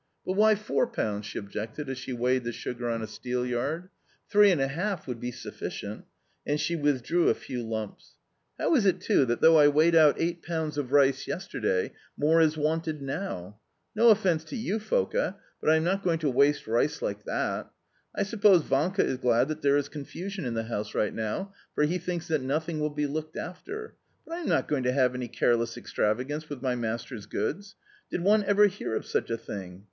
"But why FOUR pounds?" she objected as she weighed the sugar on a steelyard. "Three and a half would be sufficient," and she withdrew a few lumps. "How is it, too, that, though I weighed out eight pounds of rice yesterday, more is wanted now? No offence to you, Foka, but I am not going to waste rice like that. I suppose Vanka is glad that there is confusion in the house just now, for he thinks that nothing will be looked after, but I am not going to have any careless extravagance with my master's goods. Did one ever hear of such a thing?